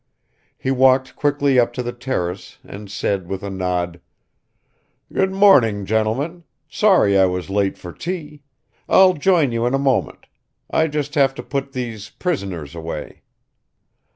He walked quickly up to the terrace and said with a nod, "Good morning, gentlemen; sorry I was late for tea; I'll join you in a moment. I just have to put these prisoners away."